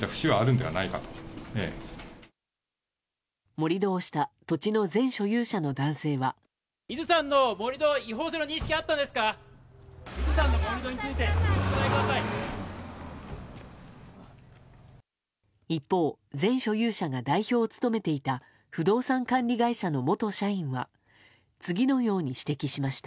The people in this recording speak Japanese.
盛り土をした土地の前所有者の男性は一方、前所有者が代表を務めていた不動産管理会社の元社員は次のように指摘しました。